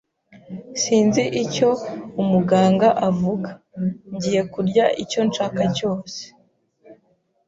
Sinzi icyo umuganga avuga. Ngiye kurya icyo nshaka cyose.